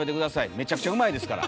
めちゃくちゃうまいですから。